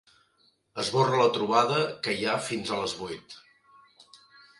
Esborra la trobada que hi ha fins a les vuit.